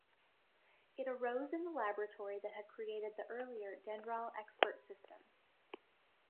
It arose in the laboratory that had created the earlier Dendral expert system.